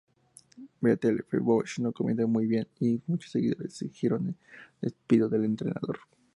VfL Bochum no comenzó muy bien y muchos seguidores exigieron el despido del entrenador.